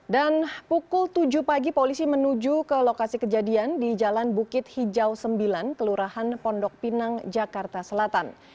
dan pukul tujuh pagi polisi menuju ke lokasi kejadian di jalan bukit hijau sembilan kelurahan pondok pinang jakarta selatan